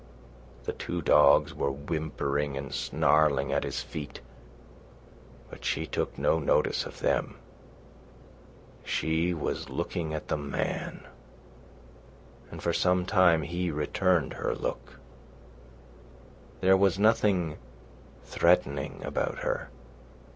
The two dogs were whimpering and snarling at his feet, but she took no notice of them. She was looking at the man, and for some time he returned her look. There was nothing threatening about her.